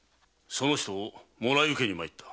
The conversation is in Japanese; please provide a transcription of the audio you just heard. その人をもらい受けに参った。